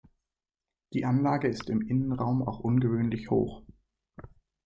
Die Anlage ist im Innenraum auch ungewöhnlich hoch.